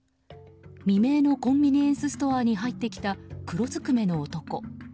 未明のコンビニエンスストアに入ってきた黒ずくめの男。